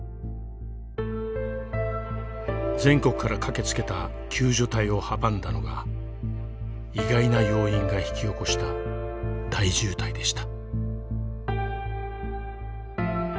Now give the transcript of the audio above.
全国から駆けつけた救助隊を阻んだのが意外な要因が引き起こした大渋滞でした。